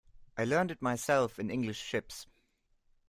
I learned it myself in English ships.